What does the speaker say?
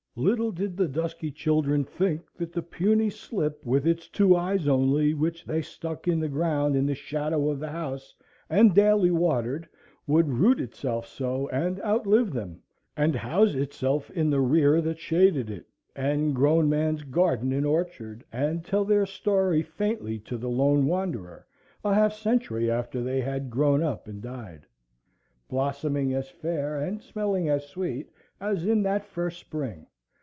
Little did the dusky children think that the puny slip with its two eyes only, which they stuck in the ground in the shadow of the house and daily watered, would root itself so, and outlive them, and house itself in the rear that shaded it, and grown man's garden and orchard, and tell their story faintly to the lone wanderer a half century after they had grown up and died,—blossoming as fair, and smelling as sweet, as in that first spring.